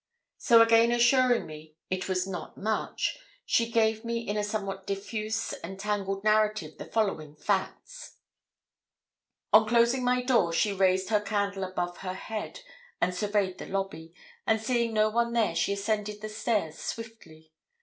So again assuring me 'it was not much,' she gave me in a somewhat diffuse and tangled narrative the following facts: On closing my door, she raised her candle above her head and surveyed the lobby, and seeing no one there she ascended the stairs swiftly.